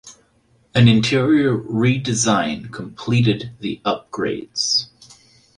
An interior redesign completed the upgrades.